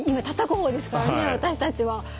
たたく方ですからね私たちは。